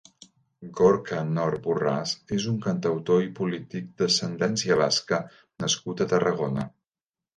Gorka Knörr Borràs és un cantautor i polític d'ascendència basca nascut a Tarragona.